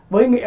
với nghĩa là